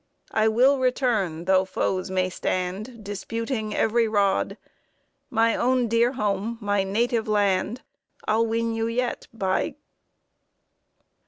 I will return, though foes may stand Disputing every rod; My own dear home, my native land, I'll win you yet, by